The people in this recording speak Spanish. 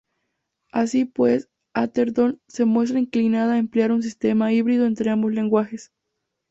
Así pues, Atherton se muestra inclinada a emplear un sistema híbrido entre ambos lenguajes.